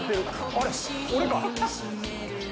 あれ⁉俺か。